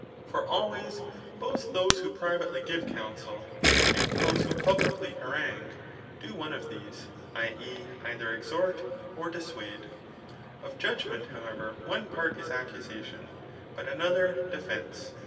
For always, both those who privately give counsel, and those who publicly harangue^ do one of these, [i. e. either exhort, or dissuade.] Of judgment, however, , one part is accusation, but another defence.